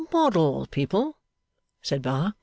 'Model people!' said Bar.